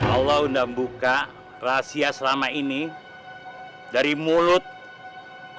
allah undang buka rahasia selama ini dari mulut